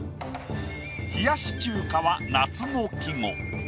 「冷やし中華」は夏の季語。